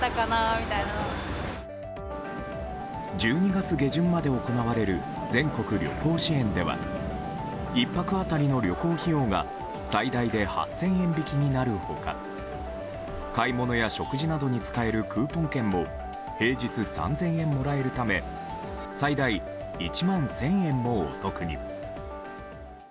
１２月下旬まで行われる全国旅行支援では１泊当たりの旅行費用が最大で８０００円引きになる他買い物や食事などに使えるクーポン券も平日３０００円もらえるため最大１万１０００円もお得に。